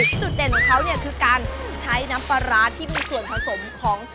จุดเด่นของเขาเนี่ยคือการใช้น้ำปลาร้าที่มีส่วนผสมของ